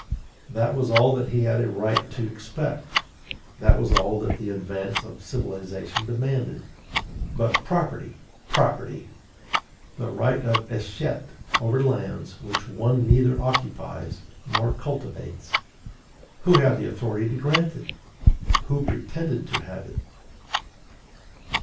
That was all that he had a right to expect; that was all that the advance of civilization demanded. But property, property! the right of escheat over lands which one neither occupies nor cultivates, who had authority to grant it? who pretended to have it?